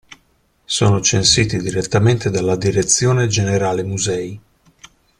Sono censiti direttamente dalla Direzione Generale Musei.